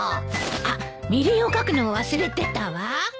あっみりんを書くのを忘れてたわ。